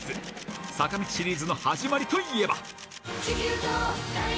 坂道シリーズの始まりといえば。